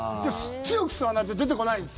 強く吸わないと出てこないです。